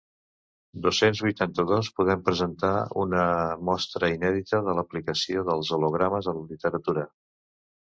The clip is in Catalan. Dos-cents vuitanta-dos podem presentar una mostra inèdita de l'aplicació dels hologrames a la literatura.